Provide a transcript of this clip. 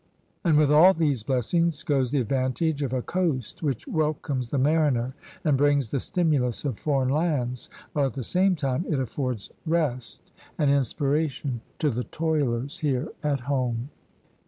And with all these blessings goes the advantage of a coast which welcomes the mariner and brings the stimulus of foreign lands, while at the same time it affords rest and inspiration to the toilers here at home.